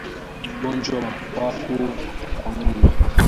Ugonjwa wa mapafu kwa ngombe